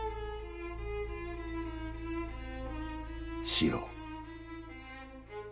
四郎。